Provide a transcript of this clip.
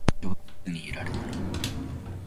人は寝ずにはいられない